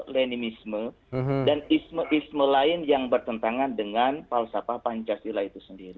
lenimisme dan isme isme lain yang bertentangan dengan palsafah pancasila itu sendiri